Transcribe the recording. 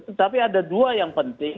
tetapi ada dua yang penting